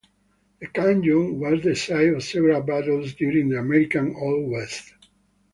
The canyon was the site of several battles during the American Old West.